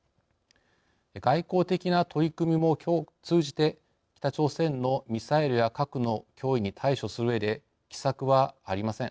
外交的な取り組みも通じて北朝鮮のミサイルや核の脅威に対処するうえで奇策はありません。